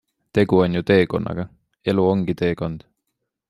Tegu on ju teekonnaga - elu ongi teekond!